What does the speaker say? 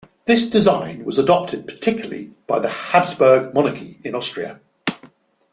This design was adopted particularly by the Habsburg monarchy in Austria.